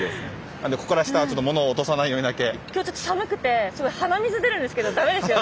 なのでここから下はちょっと物を落とさないようにだけ。今日ちょっと寒くて鼻水出るんですけどだめですよね？